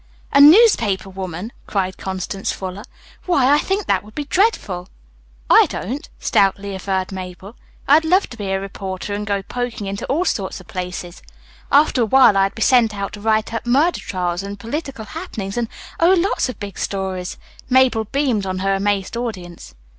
"A newspaper woman!" cried Constance Fuller. "Why, I think that would be dreadful!" "I don't," stoutly averred Mabel. "I'd love to be a reporter and go poking into all sorts of places. After a while I'd be sent out to write up murder trials and political happenings and, oh, lots of big stories." Mabel beamed on her amazed audience.